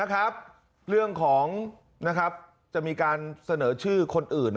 ๒นะครับเรื่องของนะครับจะมีการเสนอชื่อคนอื่น